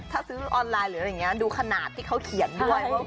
ถ้าซื้อดูเขาเขียนค่อย